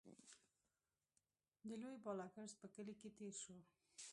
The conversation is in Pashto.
د لوی بالاکرز په کلي کې تېر شوو.